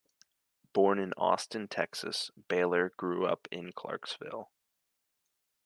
Born in Austin, Texas, Baylor grew up in Clarksville.